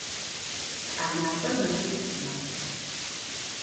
Thamafer mefitf mexhu.